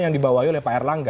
yang dibawahi oleh pak erlangga